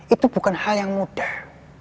itu bukan hal yang mudah